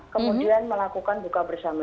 kemudian melakukan buka bersama